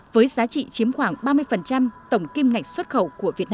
với giá trị chiếm khoảng ba mươi tổng kim ngạch xuất khẩu